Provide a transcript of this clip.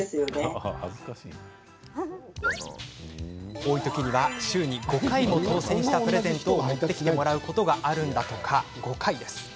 多い時には週に５回も当せんしたプレゼントを持ってきてもらうことがあるんだとか。